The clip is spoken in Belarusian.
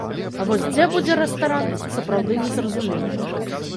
А вось дзе будзе рэстаран, сапраўды незразумела.